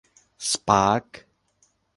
สปาร์คส์